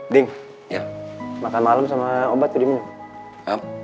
ding makan malam sama obat udah diminum